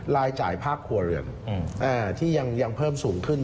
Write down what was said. รายจ่ายภาคครัวเรือนที่ยังเพิ่มสูงขึ้น